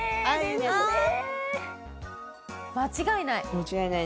間違いない。